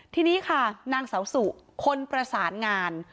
ทีนี้ค่ะนางเสาสุคนประสานงาน